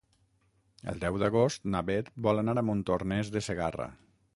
El deu d'agost na Beth vol anar a Montornès de Segarra.